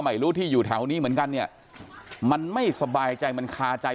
ไม่รู้ที่อยู่แถวนี้เหมือนกันเนี่ยมันไม่สบายใจมันคาใจ